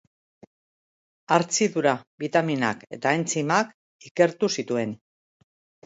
Hartzidura, bitaminak eta entzimak ikertu zituen.